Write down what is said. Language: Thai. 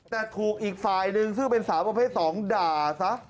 แต่ถูกอีกฝ่ายหนึ่งซึ่งเป็นสาวประเภท๒ด่าซะ